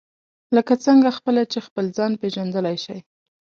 لکه څنګه خپله چې خپل ځان پېژندلای شئ.